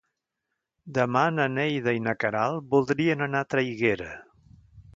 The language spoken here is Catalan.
Demà na Neida i na Queralt voldrien anar a Traiguera.